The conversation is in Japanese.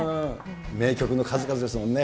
名曲の数々ですもんね。